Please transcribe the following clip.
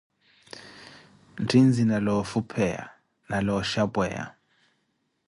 Ntthi nzina loofupheya na looxhapweya.